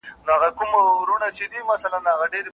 زه به قدم د رقیبانو پر لېمو ایږدمه